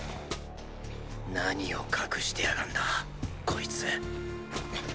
何を隠してやがんだこいつ